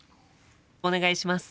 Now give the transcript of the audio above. お願いします。